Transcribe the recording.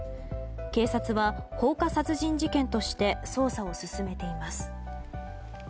警察は放火殺人事件として捜査を進めています。